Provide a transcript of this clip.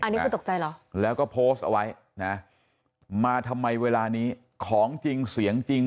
อันนี้คือตกใจเหรอแล้วก็โพสต์เอาไว้นะมาทำไมเวลานี้ของจริงเสียงจริง